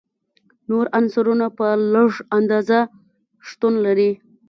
نور عنصرونه په لږه اندازه شتون لري.